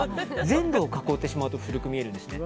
全部を囲ってしまうと古く見えるんですね。